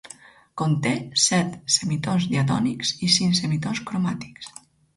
Conté set semitons diatònics i cinc semitons cromàtics.